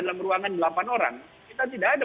dalam ruangan delapan orang kita tidak ada